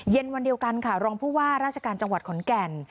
วันเดียวกันค่ะรองผู้ว่าราชการจังหวัดขอนแก่น